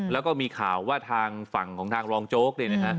แล้วก็มีข่าวว่าทางฝั่งของทางรองโจ๊กเนี่ยนะฮะ